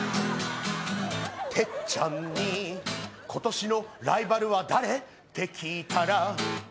「テッちゃんに今年のライバルは誰？って聞いたら」